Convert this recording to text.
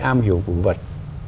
âm hiểu cổ vật